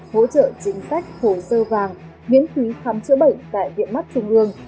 hỗ trợ chính sách hồ sơ vàng miễn phí khám chữa bệnh tại viện mắt trung ương